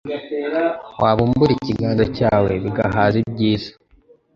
wabumbura ikiganza cyawe bigahaga ibyiza